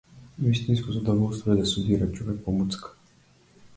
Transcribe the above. Вистинско задоволство е да се удира човек по муцка!